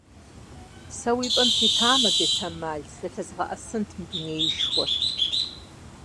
Сэ уи пӏэм ситамэ, бетэмал! Зэлъэзгъэӏэсынт мы дунеишхуэр!